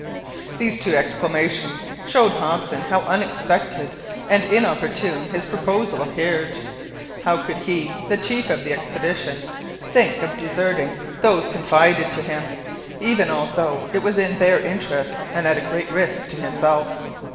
These two exclamations showed Hobson how unexpected and inopportune his proposal appeared. How could he, the chief of the expedition, think of deserting those confided to him, even although it was in their interests and at great risk to himself.